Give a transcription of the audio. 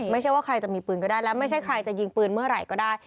ไม่ใช่ว่าใครจะมีปืนก็ได้และไม่ใช่ใครจะยิงปืนเมื่อไหร่ก็ได้